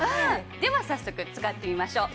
では早速使ってみましょう。